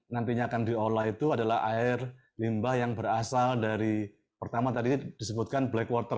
nantinya akan diolah itu adalah air limbah yang berasal dari pertama tadi disebutkan black water